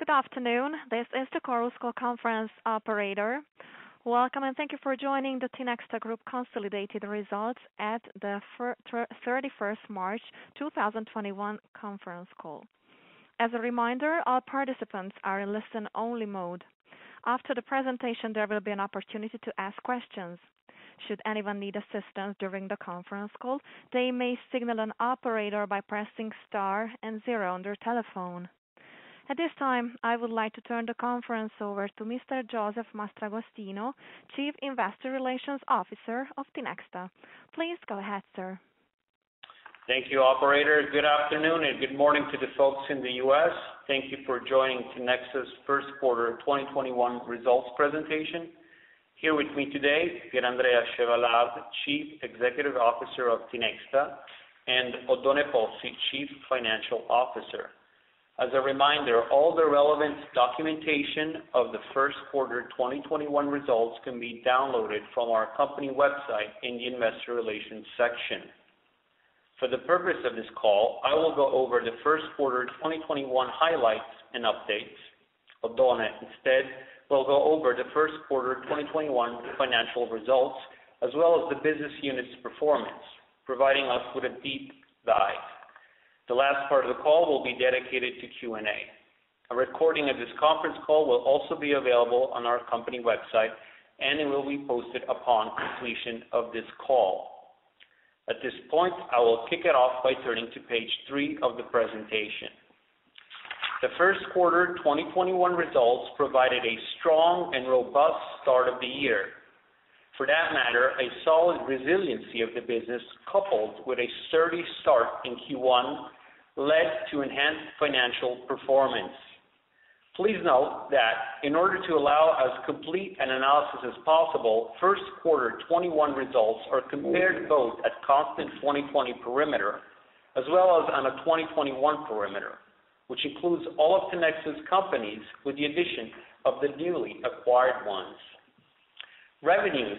Good afternoon. This is the Chorus Call conference operator. Welcome, and thank you for joining the Tinexta Group consolidated results at the 31 March 2021 conference call. As a reminder, all participants are in listen-only mode. After the presentation, there will be an opportunity to ask questions. Should anyone need assistance during the conference call, they may signal an operator by pressing star and zero on their telephone. At this time, I would like to turn the conference over to Mr. Josef Mastragostino, Chief Investor Relations Officer of Tinexta. Please go ahead, sir. Thank you, operator. Good afternoon, and good morning to the folks in the U.S. Thank you for joining Tinexta's First Quarter 2021 Results Presentation. Here with me today is Pier Andrea Chevallard, Chief Executive Officer of Tinexta, and Oddone Pozzi, Chief Financial Officer. As a reminder, all the relevant documentation of the first quarter 2021 results can be downloaded from our company website in the investor relations section. For the purpose of this call, I will go over the first quarter 2021 highlights and updates. Oddone instead will go over the first quarter 2021 financial results as well as the business unit's performance, providing us with a deep dive. The last part of the call will be dedicated to Q&A. A recording of this conference call will also be available on our company website, and it will be posted upon completion of this call. At this point, I will kick it off by turning to page three of the presentation. The First Quarter 2021 results provided a strong and robust start of the year. For that matter, a solid resiliency of the business coupled with a sturdy start in Q1 led to enhanced financial performance. Please note that in order to allow as complete an analysis as possible, First Quarter 2021 results are compared both at constant 2020 perimeter as well as on a 2021 perimeter, which includes all of Tinexta's companies with the addition of the newly acquired ones. Revenues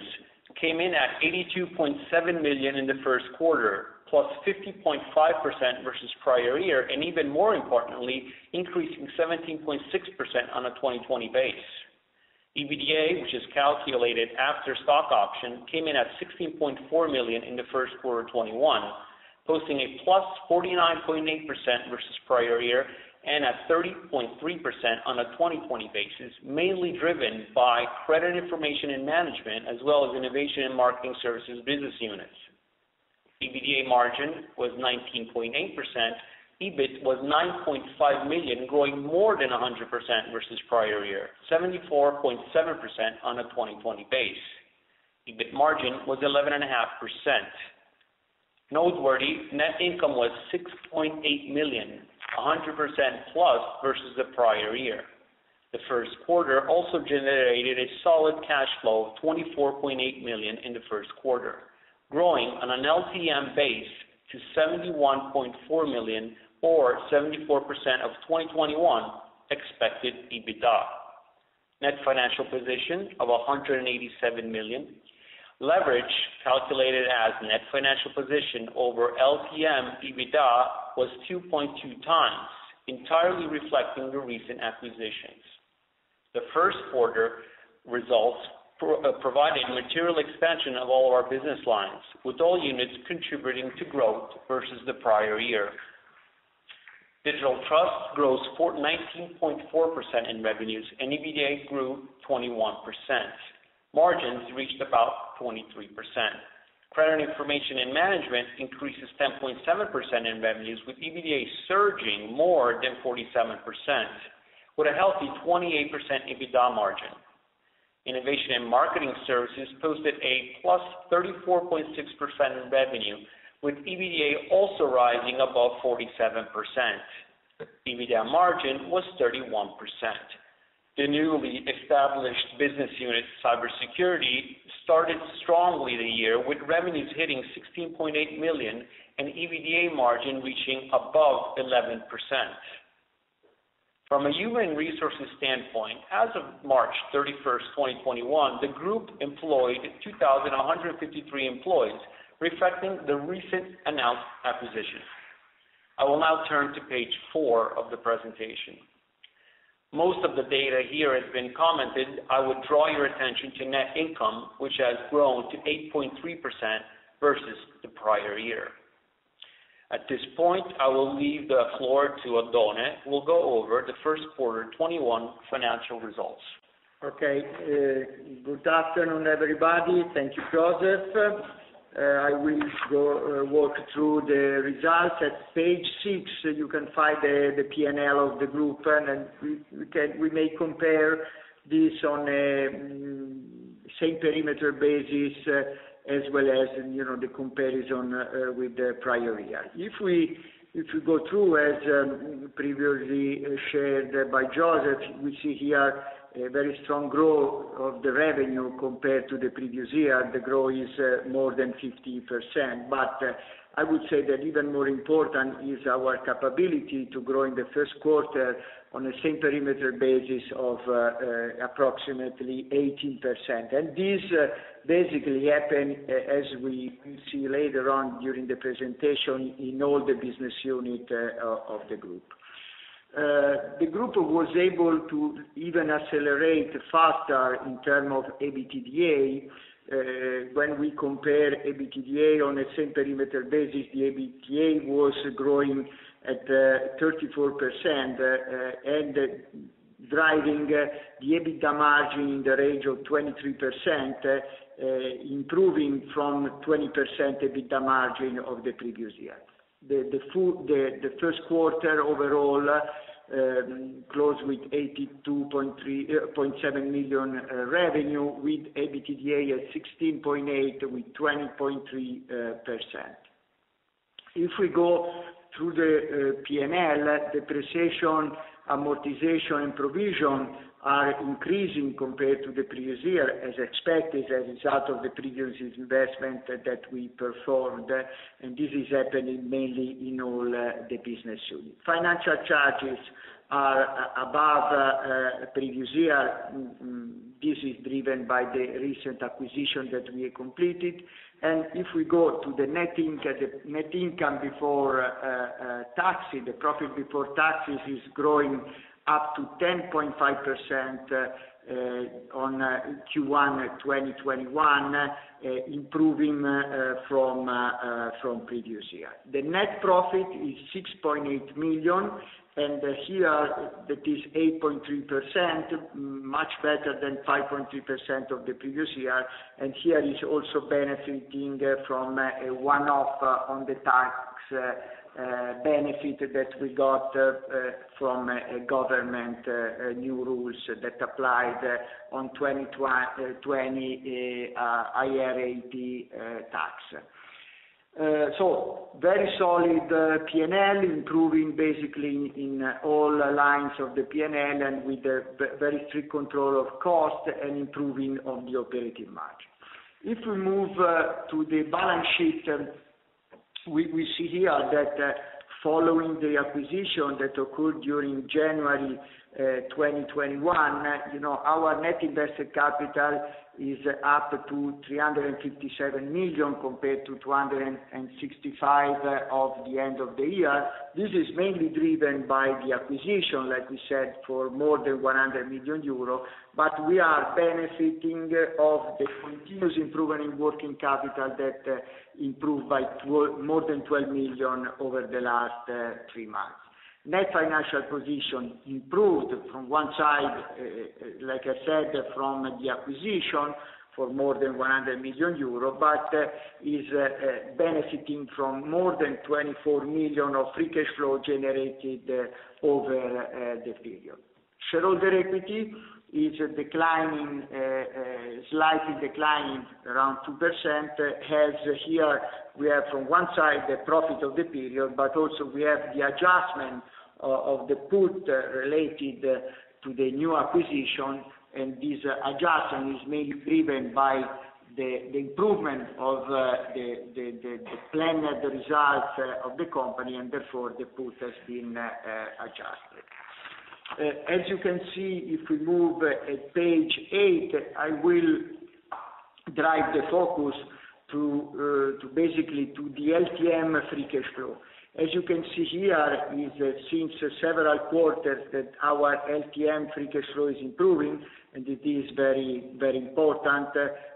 came in at 82.7 million in the First Quarter, +50.5% versus prior year, and even more importantly, increasing +17.6% on a 2020 base. EBITDA, which is calculated after stock option, came in at 16.4 million in the first quarter of 2021, posting a +49.8% versus prior year and at 30.3% on a 2020 basis, mainly driven by Credit Information & Management as well as Innovation & Marketing Services business units. EBITDA margin was 19.8%. EBIT was 9.5 million, growing more than 100% versus prior year, 74.7% on a 2020 base. EBIT margin was 11.5%. Noteworthy, net income was 6.8 million, 100%+ versus the prior year. The first quarter also generated a solid cash flow of 24.8 million in the first quarter, growing on an LTM base to 71.4 million or 74% of 2021 expected EBITDA. Net financial position of 187 million. Leverage calculated as net financial position over LTM EBITDA was 2.2x, entirely reflecting the recent acquisitions. The first quarter results provided material expansion of all our business lines, with all units contributing to growth versus the prior year. Digital Trust grows 19.4% in revenues, EBITDA grew 21%. Margins reached about 23%. Credit Information & Management increases 10.7% in revenues, with EBITDA surging more than 47%, with a healthy 28% EBITDA margin. Innovation & Marketing Services posted a +34.6% in revenue, with EBITDA also rising above 47%. EBITDA margin was 31%. The newly established business unit, Cybersecurity, started strongly the year, with revenues hitting 16.8 million and EBITDA margin reaching above 11%. From a human resources standpoint, as of March 31, 2021, the group employed 2,153 employees, reflecting the recent announced acquisition. I will now turn to page four of the presentation. Most of the data here has been commented. I would draw your attention to net income, which has grown to 8.3% versus the prior year. At this point, I will leave the floor to Oddone, who will go over the first quarter 2021 financial results. Okay. Good afternoon, everybody. Thank you, Josef. I will walk through the results. At page six, you can find the P&L of the group, and we may compare this on a same perimeter basis as well as the comparison with the prior year. If we go through, as previously shared by Josef, we see here a very strong growth of the revenue compared to the previous year. The growth is more than 50%. I would say that even more important is our capability to grow in the first quarter on the same perimeter basis of approximately 18%. This basically happened, as we will see later on during the presentation, in all the business units of the group. The group was able to even accelerate faster in term of EBITDA. When we compare EBITDA on a same perimeter basis, the EBITDA was growing at 34% and driving the EBITDA margin in the range of 23%, improving from 20% EBITDA margin of the previous year. The first quarter overall closed with 82.7 million revenue, with EBITDA at 16.8 million, with 20.3%. If we go through the P&L, depreciation, amortization, and provision are increasing compared to the previous year as expected, as a result of the previous investment that we performed. This is happening mainly in all the business units. Financial charges are above previous year. This is driven by the recent acquisition that we completed. If we go to the net income before taxes, the profit before taxes is growing up to 10.5% on Q1 2021, improving from previous year. The net profit is 6.8 million. Here that is 8.3%, much better than 5.3% of the previous year. Here is also benefiting from a one-off on the tax benefit that we got from government new rules that applied on 2020, IRAP tax. Very solid P&L, improving basically in all lines of the P&L, and with a very strict control of cost and improving on the operating margin. If we move to the balance sheet, we see here that following the acquisition that occurred during January 2021, our net invested capital is up to 357 million compared to 265 of the end of the year. This is mainly driven by the acquisition, like we said, for more than 100 million euros, but we are benefiting of the continuous improvement in working capital that improved by more than 12 million over the last three months. Net financial position improved from one side, like I said, from the acquisition for more than 100 million euro, is benefiting from more than 24 million of free cash flow generated over the period. Shareholder equity is slightly declining around 2%, as here we have from one side the profit of the period, also we have the adjustment of the put related to the new acquisition. This adjustment is mainly driven by the improvement of the planned results of the company, therefore the put has been adjusted. As you can see, if we move at page eight, I will drive the focus basically to the LTM free cash flow. As you can see here, since several quarters that our LTM free cash flow is improving, it is very important.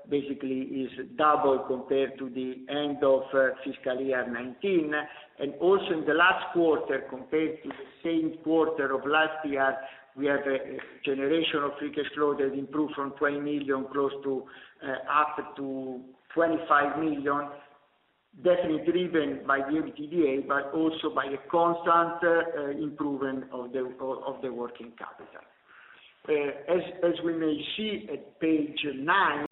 Basically, it's double compared to the end of fiscal year 2019. Also, in the last quarter compared to the same quarter of last year, we have a generation of free cash flow that improved from 20 million up to 25 million, definitely driven by the EBITDA, but also by a constant improvement of the working capital. As we may see at page nine,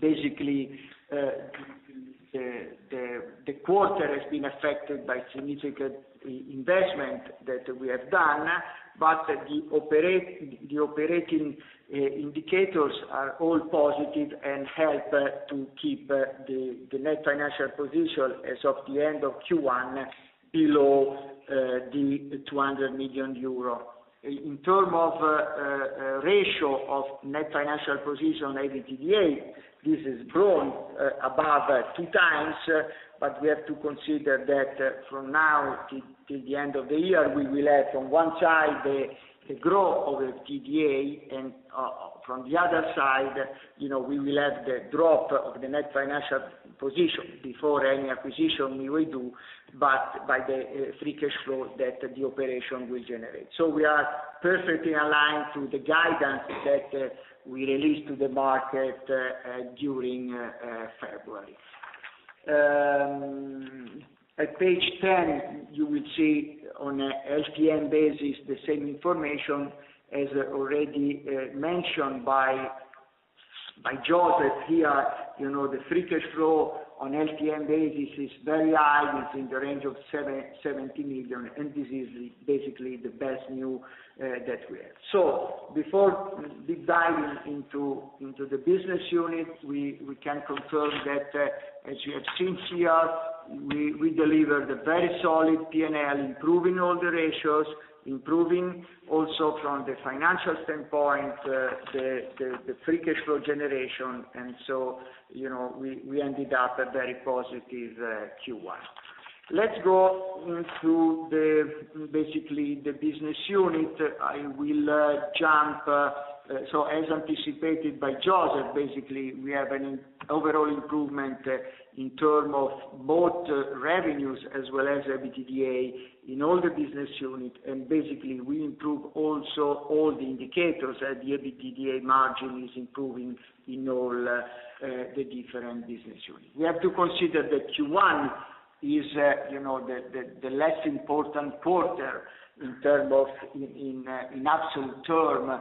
basically, the quarter has been affected by significant investment that we have done, but the operating indicators are all positive and help to keep the net financial position as of the end of Q1 below the 200 million euro. In term of ratio of net financial position EBITDA, this has grown above 2x. We have to consider that from now till the end of the year, we will have, on one side, the growth of the TDA, and from the other side, we will have the drop of the net financial position before any acquisition we will do, but by the free cash flow that the operation will generate. We are perfectly aligned to the guidance that we released to the market during February. At page 10, you will see on a LTM basis the same information as already mentioned by Josef here. The free cash flow on LTM basis is very high. It's in the range of 70 million, this is basically the best news that we have. Before diving into the business unit, we can confirm that as you have seen here, we delivered a very solid P&L, improving all the ratios, improving also from the financial standpoint, the free cash flow generation, we ended up a very positive Q1. Let's go through, basically, the business unit. I will jump, as anticipated by Josef, basically, we have an overall improvement in term of both revenues as well as EBITDA in all the business unit, we improve also all the indicators. The EBITDA margin is improving in all the different business units. We have to consider that Q1 is the less important quarter in absolute term,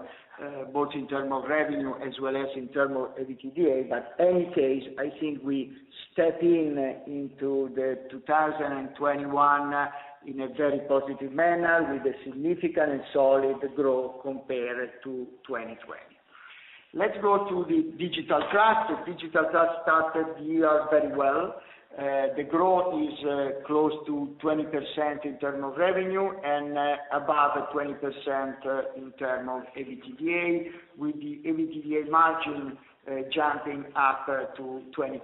both in term of revenue as well as in term of EBITDA. Any case, I think we step in into the 2021 in a very positive manner with a significant and solid growth compared to 2020. Let's go to the Digital Trust. The Digital Trust started the year very well. The growth is close to 20% in terms of revenue and above 20% in terms of EBITDA, with the EBITDA margin jumping up to 23%.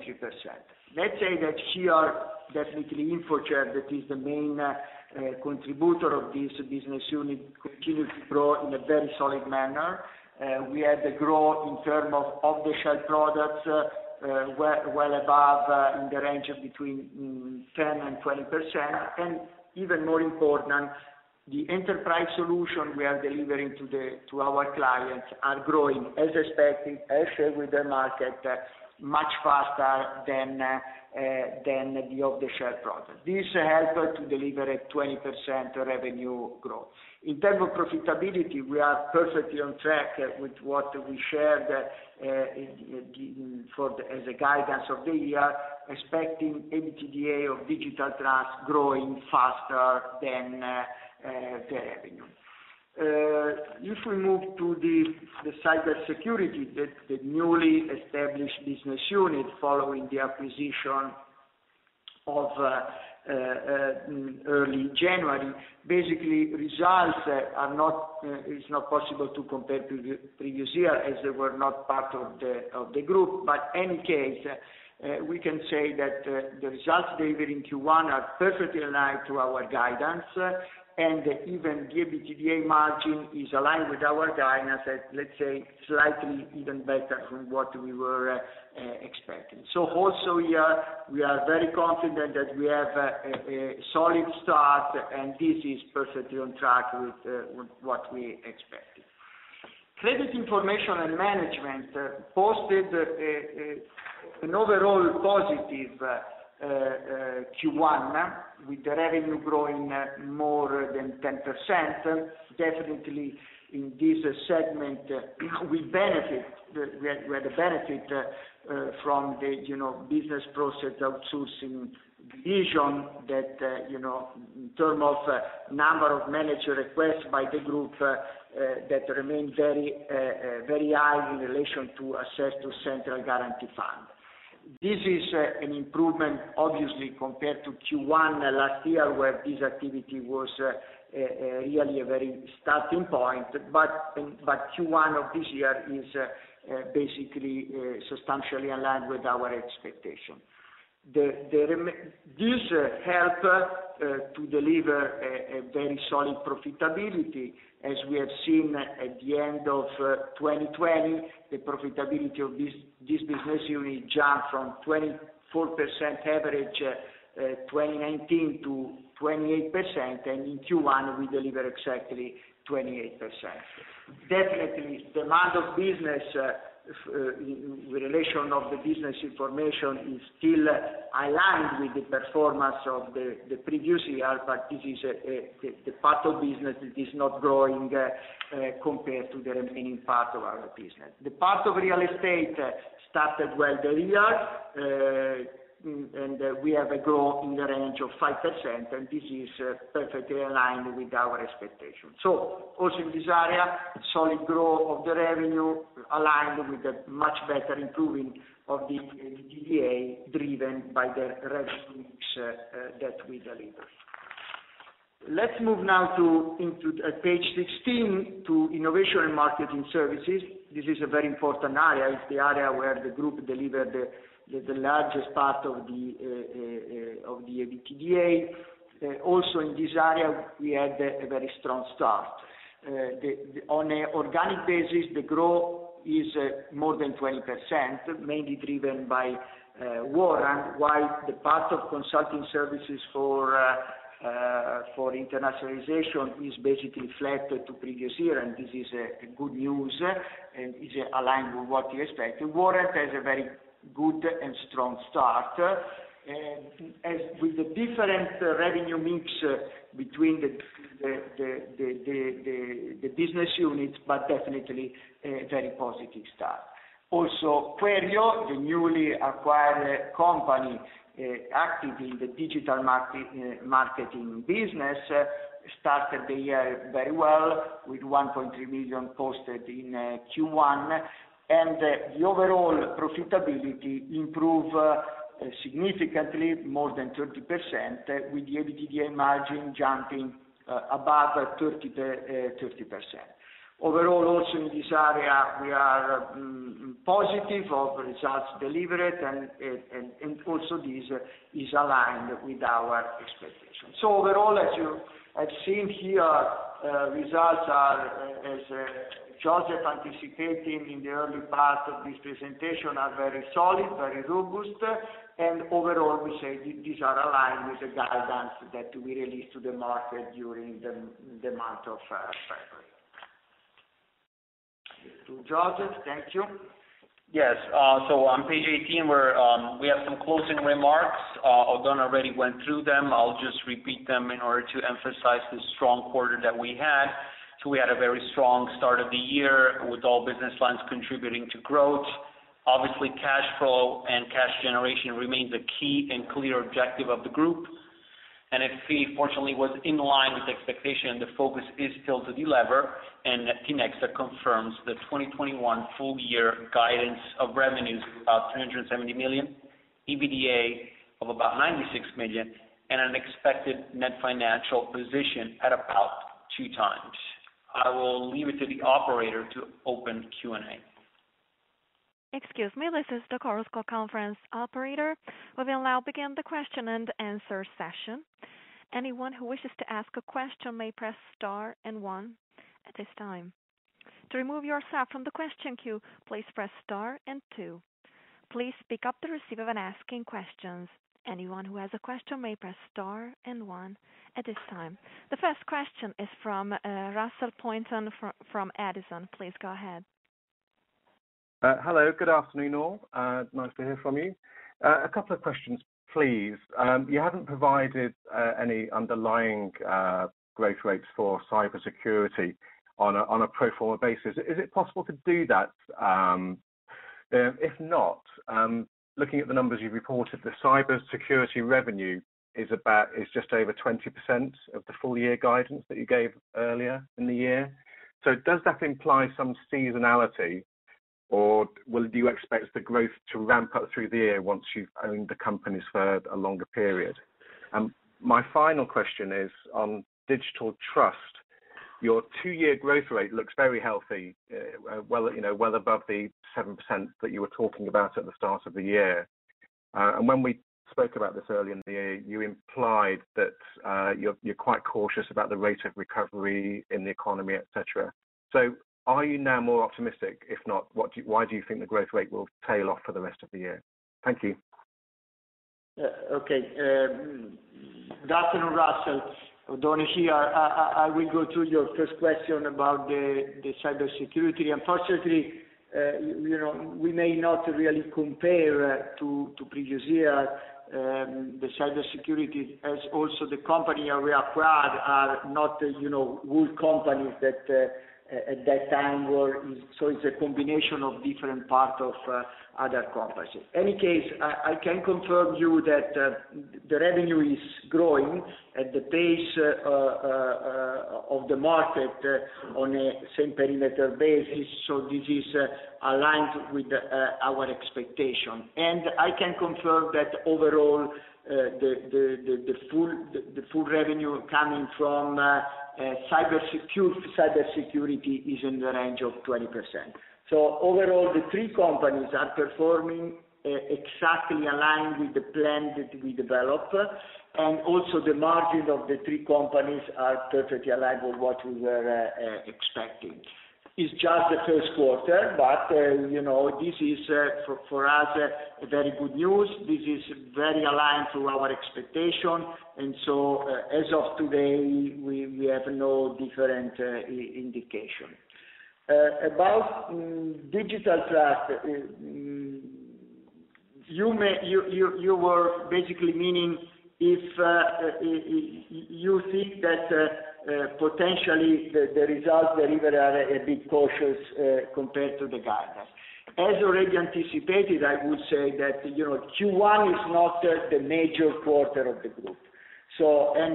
Let's say that here, definitely InfoCert, that is the main contributor of this business unit, continues to grow in a very solid manner. We had the growth in terms of off-the-shelf products, well above in the range of between 10% and 20%. Even more important, the enterprise solution we are delivering to our clients are growing as expected, as shared with the market, much faster than the off-the-shelf products. This helped to deliver a 20% revenue growth. In terms of profitability, we are perfectly on track with what we shared as a guidance of the year, expecting EBITDA of Digital Trust growing faster than the revenue. We move to the Cybersecurity, the newly established business unit following the acquisition of early January. Results, it's not possible to compare to the previous year as they were not part of the group. Any case, we can say that the results delivered in Q1 are perfectly aligned to our guidance, and even the EBITDA margin is aligned with our guidance at, let's say, slightly even better from what we were expecting. Also here, we are very confident that we have a solid start, and this is perfectly on track with what we expected. Credit Information and Management posted an overall positive Q1, with the revenue growing more than 10%. Definitely, in this segment, we had a benefit from the business process outsourcing division that, in terms of number of manager requests by the group, that remain very high in relation to access to Central Guarantee Fund. This is an improvement, obviously, compared to Q1 last year, where this activity was really a very starting point, but Q1 of this year is basically substantially aligned with our expectation. This help to deliver a very solid profitability. As we have seen at the end of 2020, the profitability of this business unit jumped from 24% average 2019 to 28%, and in Q1, we deliver exactly 28%. Definitely, demand of business in relation to the business information is still aligned with the performance of the previous year, but this is the part of business that is not growing compared to the remaining part of our business. The part of Real Estate started well the year, and we have a growth in the range of 5%, and this is perfectly aligned with our expectation. Also in this area, solid growth of the revenue aligned with a much better improving of the EBITDA driven by the revenue mix that we delivered. Let's move now into page 16 to Innovation and Marketing Services. This is a very important area. It's the area where the group delivered the largest part of the EBITDA. Also in this area, we had a very strong start. On an organic basis, the growth is more than 20%, mainly driven by Warrant, while the part of consulting services for internationalization is basically flat to previous year, and this is a good news, and is aligned with what we expected. Warrant has a very good and strong start, as with the different revenue mix between the business units, but definitely a very positive start. Also, Queryo, the newly acquired company active in the digital marketing business, started the year very well with 1.3 million posted in Q1, and the overall profitability improve significantly more than 30%, with the EBITDA margin jumping above 30%. Overall, also in this area, we are positive of the results delivered, and also this is aligned with our expectations. Overall, as you have seen here, results are, as Josef anticipating in the early part of this presentation, are very solid, very robust, and overall, we say these are aligned with the guidance that we released to the market during the month of February. To Josef, thank you. Yes. On page 18, we have some closing remarks. Oddone already went through them. I'll just repeat them in order to emphasize the strong quarter that we had. We had a very strong start of the year, with all business lines contributing to growth. Obviously, cash flow and cash generation remains a key and clear objective of the group. It fortunately was in line with expectation. The focus is still to delever. Tinexta confirms the 2021 full year guidance of revenues of about 370 million, EBITDA of about 96 million, and an expected net financial position at about 2x. I will leave it to the operator to open Q&A. Excuse me this is the conference operator will now begin the question and answer session any one who wishes to ask a question may press star and one at this time. To remove yourself from the question queue please press star and two. Please pick up the handset when asking a question, anyone who has a question may press star and one. The first question is from Russell Pointon from Edison. Please go ahead. Hello. Good afternoon, all. Nice to hear from you. A couple of questions, please. You haven't provided any underlying growth rates for Cybersecurity on a pro forma basis. Is it possible to do that? If not, looking at the numbers you've reported, the Cybersecurity revenue is just over 20% of the full year guidance that you gave earlier in the year. Does that imply some seasonality, or do you expect the growth to ramp up through the year once you've owned the companies for a longer period? My final question is on Digital Trust. Your two year growth rate looks very healthy, well above the 7% that you were talking about at the start of the year. When we spoke about this earlier in the year, you implied that you're quite cautious about the rate of recovery in the economy, et cetera. Are you now more optimistic? If not, why do you think the growth rate will tail off for the rest of the year? Thank you. Okay. Good afternoon, Russell. Oddone here. I will go through your first question about the Cybersecurity. Unfortunately, we may not really compare to previous year, the Cybersecurity, as also the company we acquired are not good companies at that time. It's a combination of different parts of other companies. Any case, I can confirm you that the revenue is growing at the pace of the market on a same perimeter basis. This is aligned with our expectation, and I can confirm that overall, the full revenue coming from Cybersecurity is in the range of 20%. Overall, the three companies are performing exactly aligned with the plan that we developed. Also the margin of the three companies are perfectly aligned with what we were expecting. It's just the first quarter, but this is for us, very good news. This is very aligned to our expectation. As of today, we have no different indication. About Digital Trust, you were basically meaning if you think that potentially the results delivered are a bit cautious compared to the guidance. Already anticipated, I would say that Q1 is not the major quarter of the group. The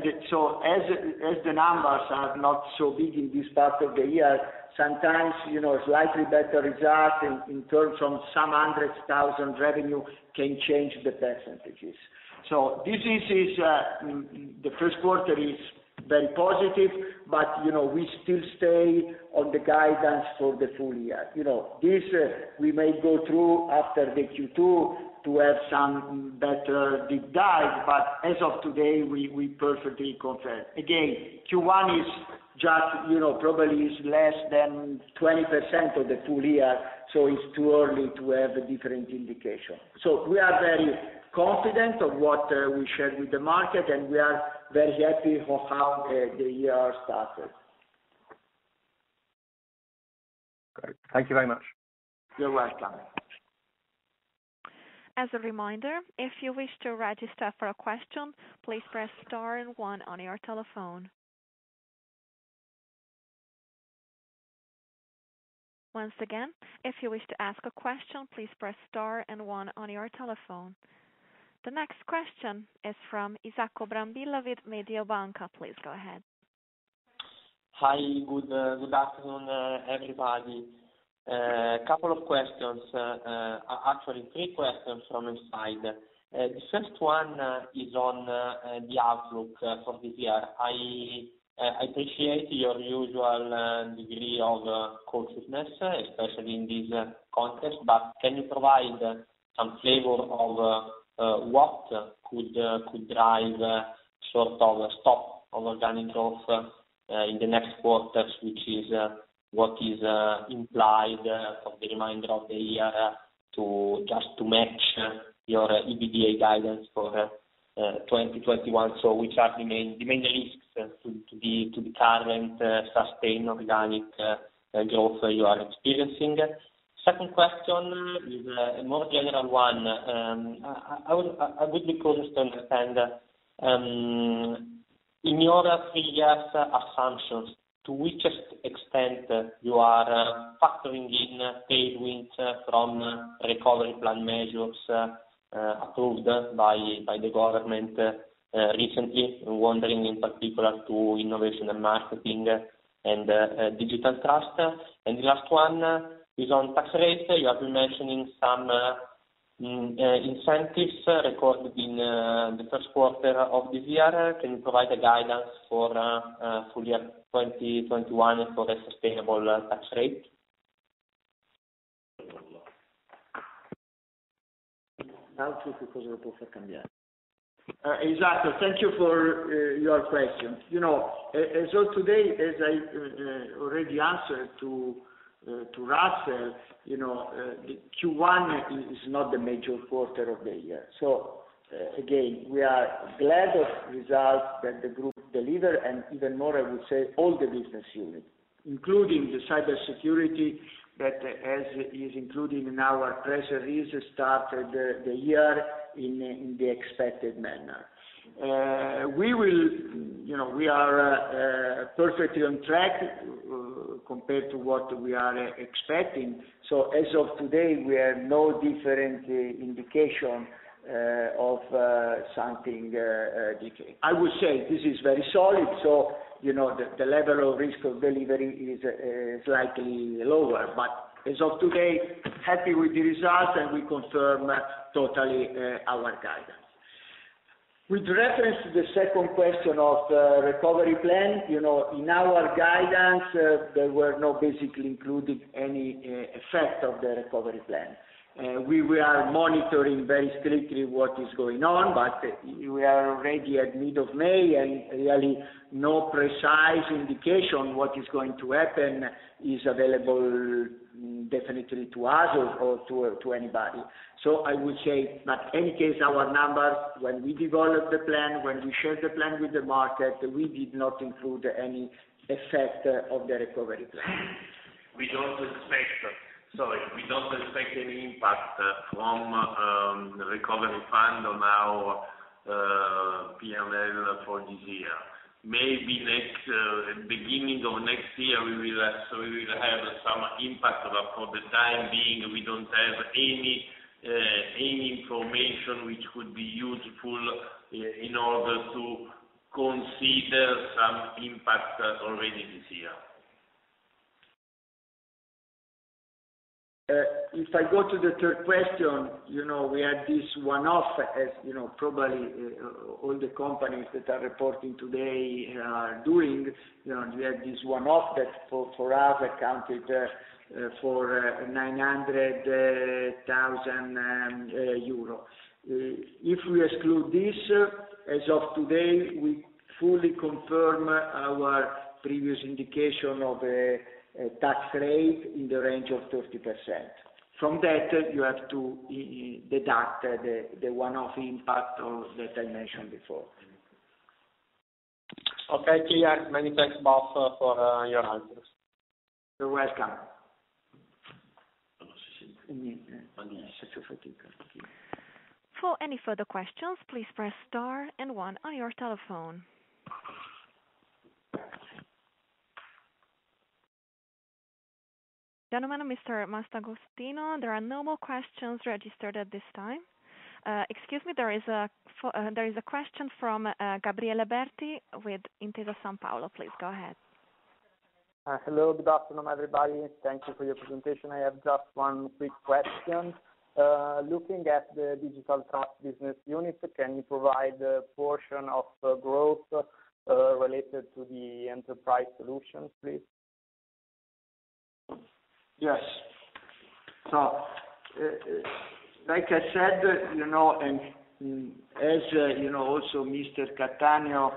numbers are not so big in this part of the year, sometimes, slightly better results in terms of some hundreds, thousand revenue can change the percentages. The first quarter is very positive, but we still stay on the guidance for the full year. This we may go through after the Q2 to have some better deep dive, but as of today, we perfectly confirm. Again, Q1 probably is less than 20% of the full year, so it's too early to have a different indication. We are very confident of what we shared with the market, and we are very happy for how the year started. Great. Thank you very much. You're welcome. As a reminder if you wish to register for a question please press star and one on your telephone. The next question is from Isacco Brambilla with Mediobanca. Please go ahead. Hi, good afternoon, everybody. A couple of questions. Actually, three questions from inside. The first one is on the outlook for this year. I appreciate your usual degree of cautiousness, especially in this context, but can you provide some flavor of what could drive sort of stop of organic growth in the next quarters, which is what is implied for the remainder of the year, just to match your EBITDA guidance for 2021? Which are the main risks to the current sustained organic growth you are experiencing? Second question is a more general one. I would be curious to understand, in your three years assumptions, to which extent you are factoring in tailwinds from recovery plan measures approved by the government recently, wondering in particular to Innovation and Marketing and Digital Trust. The last one is on tax rates. You have been mentioning some incentives recorded in the first quarter of this year. Can you provide a guidance for full year 2021 for the sustainable tax rate? Thank you for your question. As of today, as I already answered to Russell, Q1 is not the major quarter of the year. Again, we are glad of results that the group deliver, and even more, I would say, all the business units, including the Cybersecurity, that as is included in our press release, started the year in the expected manner. We are perfectly on track, compared to what we are expecting. As of today, we have no different indication of something decaying. I would say this is very solid, so the level of risk of delivery is slightly lower. As of today, happy with the results, and we confirm totally our guidance. With reference to the second question of the recovery plan, in our guidance, there were not basically included any effect of the recovery plan. We are monitoring very strictly what is going on, but we are already at mid of May, and really no precise indication what is going to happen is available definitely to us or to anybody. I would say, but any case, our numbers, when we developed the plan, when we shared the plan with the market, we did not include any effect of the recovery plan. We don't expect any impact from the recovery plan on our P&L for this year. Maybe beginning of next year, we will have some impact, but for the time being, we don't have any information which would be useful in order to consider some impact already this year. If I go to the third question, we had this one-off as probably all the companies that are reporting today are doing. You have this one-off that for us accounted for 900,000 euro. If we exclude this, as of today, we fully confirm our previous indication of a tax rate in the range of 30%. From that, you have to deduct the one-off impact that I mentioned before. Okay, clear. Many thanks, both, for your answers. You're welcome. For any further questions, please press star and one on your telephone. Gentlemen, Mr. Mastragostino, there are no more questions registered at this time. Excuse me, there is a question from Gabriele Berti with Intesa Sanpaolo. Please go ahead. Hello. Good afternoon, everybody. Thank you for your presentation. I have just one quick question. Looking at the Digital Trust business unit, can you provide a portion of growth related to the enterprise solutions, please? Yes. Like I said, and as you know, also Mr. [Cattaneo]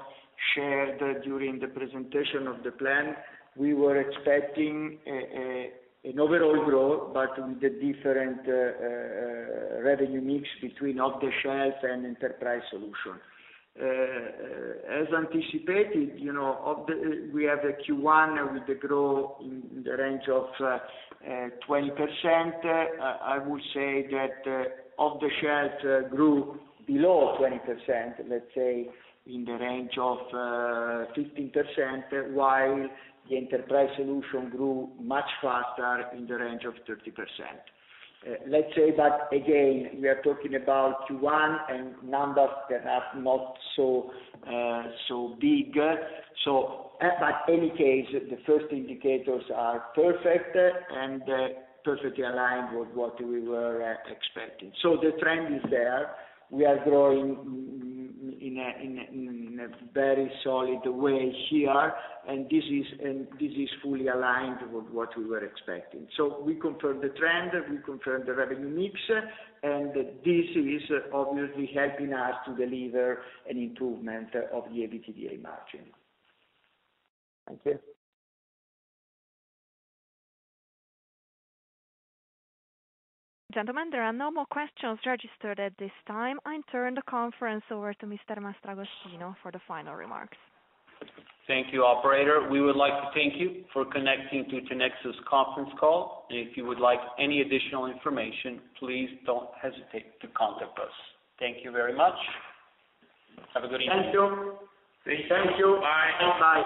shared during the presentation of the plan, we were expecting an overall growth, but with the different revenue mix between off-the-shelf and enterprise solution. As anticipated, we have a Q1 with the growth in the range of 20%. I would say that off-the-shelf grew below 20%, let's say in the range of 15%, while the enterprise solution grew much faster in the range of 30%. Let's say that again, we are talking about Q1 and numbers that are not so big. In any case, the first indicators are perfect and perfectly aligned with what we were expecting. The trend is there. We are growing in a very solid way here, and this is fully aligned with what we were expecting. we confirm the trend, we confirm the revenue mix, and this is obviously helping us to deliver an improvement of the EBITDA margin. Thank you. Gentlemen, there are no more questions registered at this time. I turn the conference over to Mr. Mastragostino for the final remarks. Thank you, operator. We would like to thank you for connecting to Tinexta's conference call. If you would like any additional information, please don't hesitate to contact us. Thank you very much. Have a good evening. Thank you. Thank you. Bye.